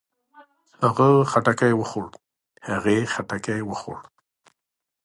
هغۀ خټکی وخوړ. هغې خټکی وخوړ.